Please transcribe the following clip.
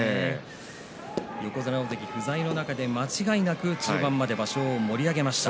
横綱、大関不在の中で間違いなく中盤まで場所を盛り上げました。